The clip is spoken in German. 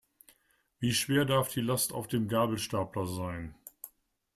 Wie schwer darf die Last auf dem Gabelstapler sein?